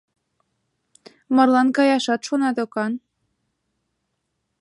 Марлан каяшат шона докан.